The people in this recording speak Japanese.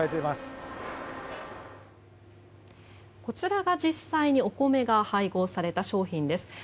こちらが実際にお米が配合された商品です。